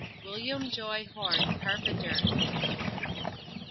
"William Joy Horne, Carpenter."